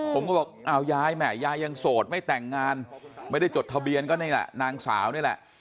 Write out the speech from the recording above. ผมก็บอกอ้าวยายแหม่ยายยังโสดไม่แต่งงานไม่ได้จดทะเบียนก็นี่แหละนางสาวนี่แหละ